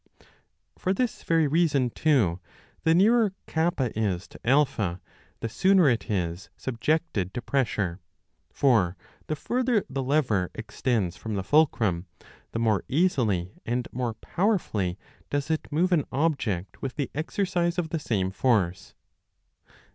For this very reason, too, the nearer K is to A, the sooner it is subjected to pressure ; for the further the lever extends from the fulcrum, the more easily and more powerfully does it move an object with the exercise of the same force.